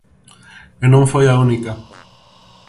E non foi a única.